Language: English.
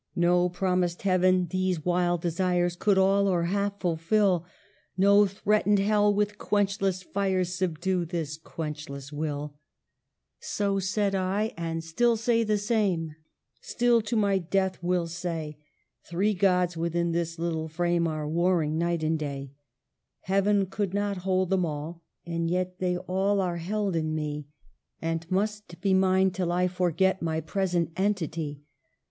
No promised heaven, these wild desires Could all, or half fulfil ; No threatened hell, with quenchless fires, Subdue this quenchless will I " So said I, and still say the same ; Still, to my death, will say — Three gods, within this little frame, Are warring night and day ; Heaven could not hold them all, and yet They all are held in me, 1 76 EMILY BRONTE. And must be mine till I forget My present entity